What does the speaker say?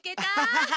アハハハ！